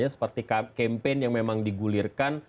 seperti campaign yang memang digulirkan